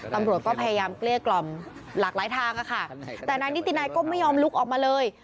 ตำรวจก็พยายามเกลี้ยกล่อมหลากหลายทางอะค่ะแต่นายนิตินัยก็ไม่ยอมลุกออกมาเลย